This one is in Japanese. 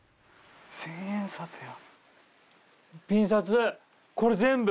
千円札や。